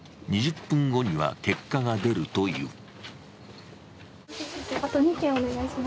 ２０分後には結果が出るという。